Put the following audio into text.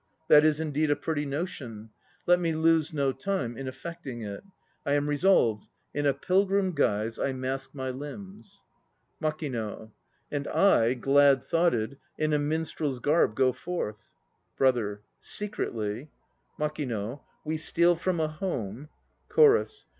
That is indeed a pretty notion; let me lose no time in effecting it. I am resolved; in a pilgrim guise I mask my limbs. MAKING. And I, glad thoughted, In a minstrel's garb go forth. BROTHER. Secretly MAKING. We steal from a home CHORUS.